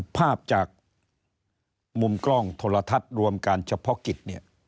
ภาพจากมุมกล้องโทรทัศน์รวมการเฉพาะกิจเนี่ย